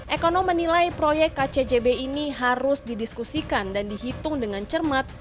ekonom menilai proyek kcjb ini harus didiskusikan dan dihitung dengan cermat